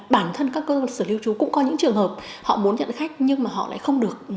bản thân các cơ sở lưu trú cũng có những trường hợp họ muốn nhận khách nhưng mà họ lại không được